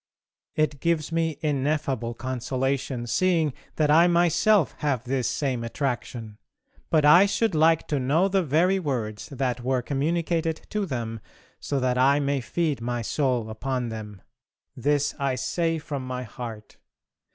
It gives me ineffable consolation, seeing that I myself have this same attraction, but I should like to know the very words that were communicated to them so that I may feed my soul upon them. This I say from my heart.